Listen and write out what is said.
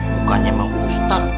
bukannya sama ustad